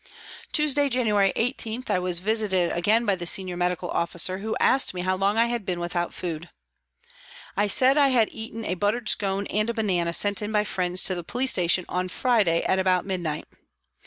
Tuesday, January 18, I was visited again by the 268 PRISONS AND PRISONERS Senior Medical Officer, who asked me how long I had been without food. I said I had eaten a buttered scone and a banana sent in by friends to the police station on Friday at about midnight.